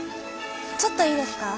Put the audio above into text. ちょっといいですか？